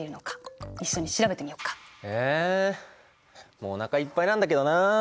もうおなかいっぱいなんだけどな。